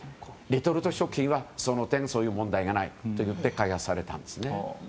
レトルト食品はその点、その問題がないと言って開発されたんですね。